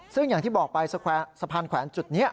ซึ่งอย่างที่บอกไปสะพานแขวนจุดนี้